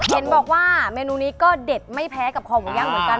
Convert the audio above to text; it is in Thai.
เห็นบอกว่าเมนูนี้ก็เด็ดไม่แพ้กับคอหมูย่างเหมือนกัน